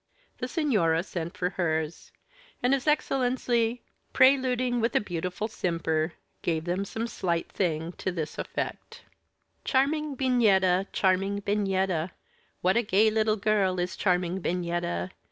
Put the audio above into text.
The signora sent for hers; and his Excellency, preluding with a beautiful simper, gave them some slight thing to this effect: Charming Bignetta! charming Bignetta! What a gay little girl is charming Bignetta!